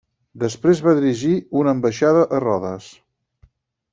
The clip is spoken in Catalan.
Després va dirigir una ambaixada a Rodes.